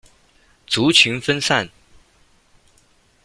族群分散。